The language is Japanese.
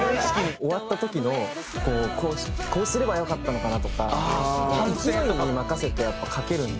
終わった時のこうすればよかったのかなとか勢いに任せてやっぱ書けるんで。